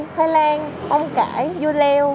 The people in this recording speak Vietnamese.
khoai lang bông cải dưa leo